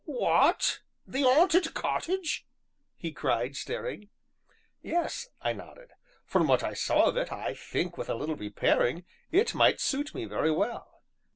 "What th' 'aunted cottage?" he cried, staring. "Yes," I nodded; "from what I saw of it, I think, with a little repairing, it might suit me very well."